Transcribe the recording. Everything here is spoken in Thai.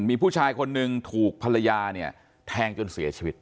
มีผู้ชายคนหนึ่งถูกภรรยาเนี่ยแทงจนเสียชีวิต